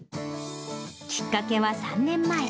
きっかけは３年前。